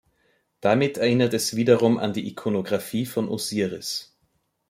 Damit erinnert es wiederum an die Ikonografie von Osiris.